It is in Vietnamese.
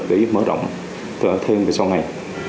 để mở rộng thêm về sau này